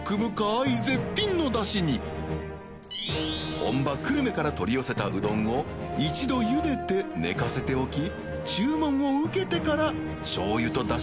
本場久留米から取り寄せたうどんを貪茹でて寝かせておき注文を受けてから潴㈭判仆舛